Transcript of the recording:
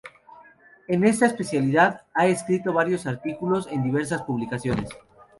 En esta especialidad, ha escrito varios artículos en diversas publicaciones.